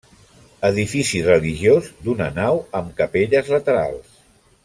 Edifici religiós d'una nau amb capelles laterals.